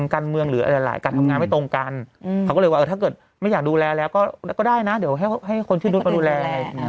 เขาก็เลยว่าถ้าเกิดไม่อยากดูแลแล้วก็ได้นะเดี๋ยวให้คนชื่นนุษย์มาดูแล